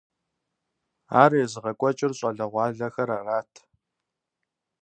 Ар езыгъэкӏуэкӏыр щӏалэгъуалэхэр арат.